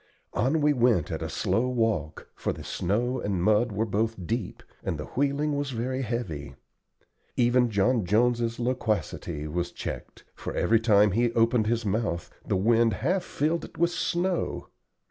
On we went at a slow walk, for the snow and mud were both deep, and the wheeling was very heavy. Even John Jones's loquacity was checked, for every time he opened his mouth the wind half filled it with snow.